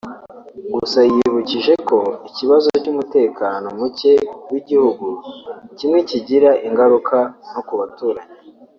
Gusa yibukije ko ikibazo cy’umutekano muke w’igihugu kimwe kigira ingaruka no ku baturanyi